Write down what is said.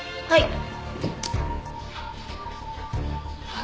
はい。